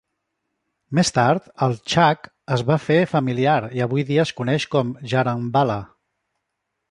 Més tard, el Chak es va fer familiar i avui dia es coneix com Jaranwala.